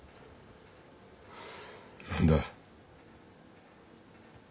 何だ？